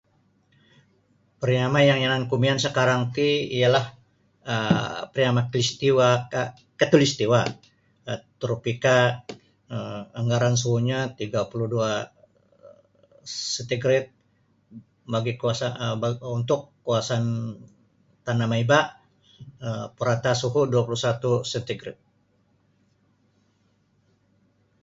Pariama yang yananku miyan sakarang ti ialah um pariama peristiwa um khatulistiwa tropika um anggaran suhunyo 32 centigrit bagi kawasan untuk kawasan tanah maiba purata suhu 21 centigrit.